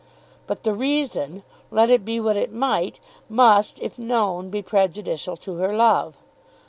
But the reason, let it be what it might, must, if known, be prejudicial to her love.